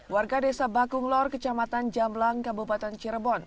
warga desa bakunglor kecamatan jamlang kabupaten cirebon